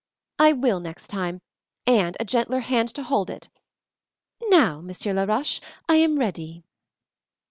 "I will next time, and a gentler hand to hold it. Now, Monsieur Laroche, I am ready."